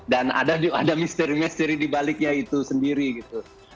dan ada misteri misteri di baliknya itu sendiri gitu